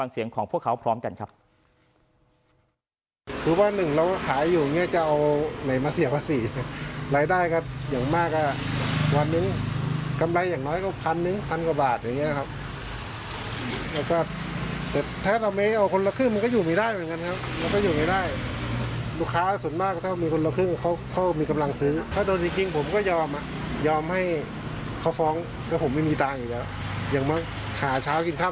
จริงหรือไม่ไปฟังเสียงของพวกเขาพร้อมกันครับ